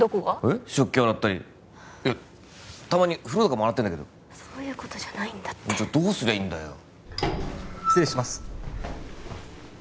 えっ食器洗ったりいやたまに風呂とかも洗ってるんだけどそういうことじゃないんだってじゃあどうすりゃいいんだよ失礼します